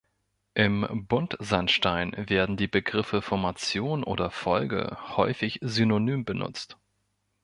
Im Buntsandstein werden die Begriffe Formation oder Folge häufig synonym benutzt.